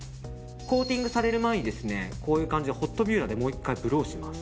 コーティングされる前にホットビューラーでもう１回ブローします。